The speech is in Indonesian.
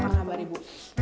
apa kabar ibu